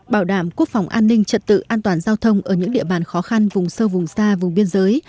bảo đảm quốc phòng an ninh trật tự an toàn giao thông ở những địa bàn khó khăn vùng sâu vùng xa vùng biên giới